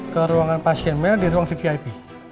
ke ruangan pasien mel di ruang vvip